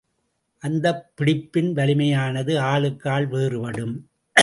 அந்தப் பிடிப்பின் வலிமையானது, ஆளுக்கு ஆள் வேறுபடும்.